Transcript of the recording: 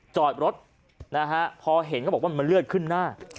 จอดรถนะฮะพอเห็นเขาบอกว่ามันเลือดขึ้นหน้า